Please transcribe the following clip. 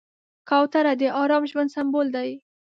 کوتره د ارام ژوند سمبول دی.